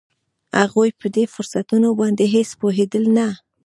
هغوی په دې فرصتونو باندې هېڅ پوهېدل نه